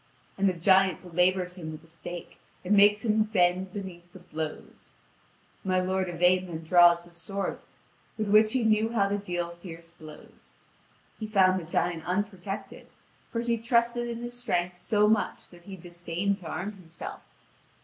And the giant belabours him with the stake, and makes him bend beneath the blows. My lord Yvain then draws the sword with which he knew how to deal fierce blows. He found the giant unprotected, for he trusted in his strength so much that he disdained to arm himself.